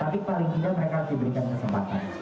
tapi paling tidak mereka diberikan kesempatan